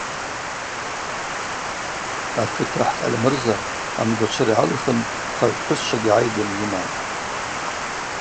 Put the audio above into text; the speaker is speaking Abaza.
Акыт ахӏ Къальмырза амгвачвыра йгӏалихын хыгӏвпхӏвысчвагьи гӏайгын йыман.